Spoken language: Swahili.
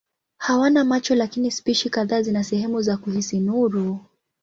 Hawana macho lakini spishi kadhaa zina sehemu za kuhisi nuru.